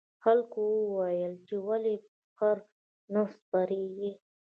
خلکو وویل چې ولې په خره نه سپریږې.